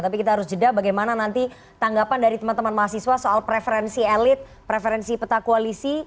tapi kita harus jeda bagaimana nanti tanggapan dari teman teman mahasiswa soal preferensi elit preferensi peta koalisi